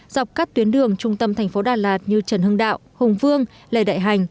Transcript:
dọc các tuyến đường trung tâm thành phố đà lạt như trần hưng đạo hùng vương lê đại hành